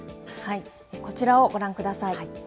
こちらをご覧ください。